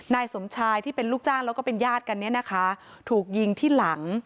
นายสมชายที่เป็นลูกจ้างแล้วก็เป็นญาติกันเนี่ยนะคะถูกยิงที่หลัง